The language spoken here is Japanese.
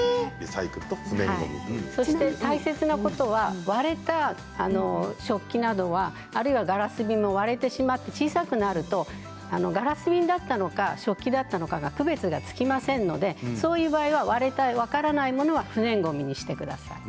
そして大切なことは割れた食器などはあるいはガラス瓶も割れてしまって小さくなるとガラス瓶だったのか食器だったのかの区別がつきませんのでそういう場合は割れて分からないものは不燃ごみにしてください。